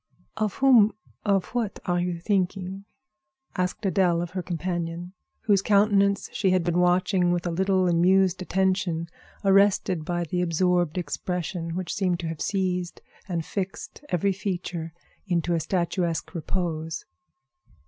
"Of whom—of what are you thinking?" asked Adèle of her companion, whose countenance she had been watching with a little amused attention, arrested by the absorbed expression which seemed to have seized and fixed every feature into a statuesque repose.